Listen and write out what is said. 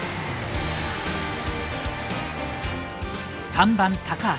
３番高橋。